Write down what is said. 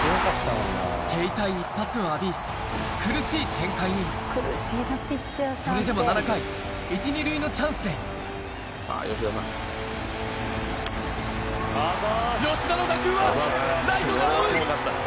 手痛い１発を浴びそれでも７回１・２塁のチャンスで吉田の打球はライトが追う。